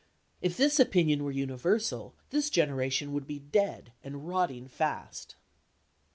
If this opinion were universal, this generation would be dead, and rotting fast.